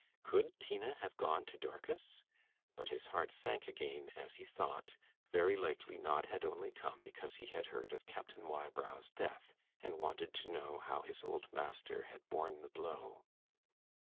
Could Tina have gone to Dorcas? But his heart sank again as he thought, very likely Knott had only come because he had heard of Captain Wybrow's death, and wanted to know how his old master had borne the blow.